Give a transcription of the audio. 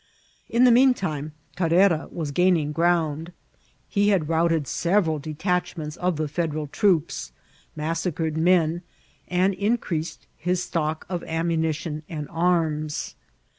In the mean time Carrera was gaining ground ; he had routed several detachments ci the Federal troops, massacred men, and increased his stock of amnramtion and arms.